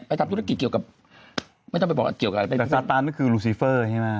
ไปทำธุรกิจเกี่ยวกับไม่ต้องไปบอกแต่ราชาตาลมันคือลูซีเฟอร์ใช่ไหม